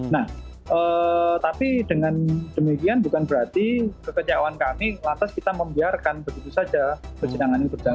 nah tapi dengan demikian bukan berarti kekecewaan kami lantas kita membiarkan begitu saja persidangan ini berjalan